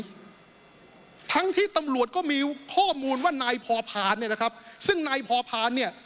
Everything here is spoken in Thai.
จะมีหมายทั้งที่ตำรวจก็มีข้อมูลว่านายพอพานซึ่งนายพอพาน